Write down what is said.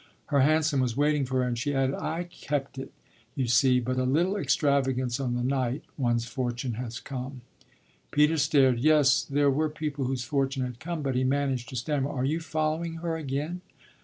Her hansom was waiting for her and she added: "I kept it, you see; but a little extravagance on the night one's fortune has come! " Peter stared. Yes, there were people whose fortune had come; but he managed to stammer: "Are you following her again?"